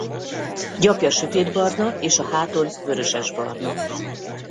Gyapja sötétbarna és a háton vörösesbarna.